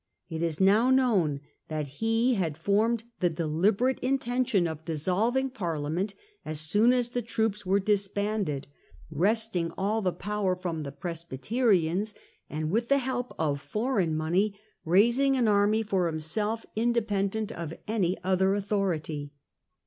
It is now known that he had formed the deliberate intention of dissolving Parliament as soon as the troops were dis banded, wresting all the power from the Presbyterians, and with the help of foreign money raising an army for himself, independent of any other authority.